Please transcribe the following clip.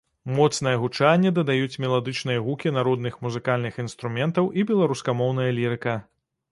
Моцнае гучанне дадаюць меладычныя гукі народных музыкальных інструментаў і беларускамоўная лірыка.